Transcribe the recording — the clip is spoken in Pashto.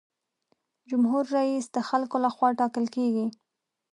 جمهور رئیس د خلکو له خوا ټاکل کیږي.